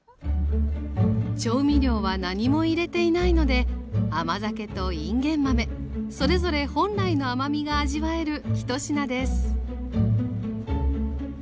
調味料は何も入れていないので甘酒といんげん豆それぞれ本来の甘みが味わえる一品です